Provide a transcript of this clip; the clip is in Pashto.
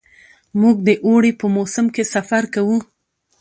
موږ د اوړي په موسم کې سفر کوو.